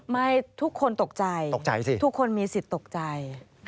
ไม่ทุกคนตกใจตกใจสิทุกคนมีสิทธิ์ตกใจ